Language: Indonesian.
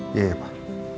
iya ya pak